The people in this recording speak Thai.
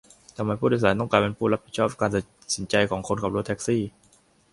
ทำไมผู้โดยสารต้องกลายเป็นผู้รับผิดชอบการตัดสินใจของคนขับรถแท็กซี่ ?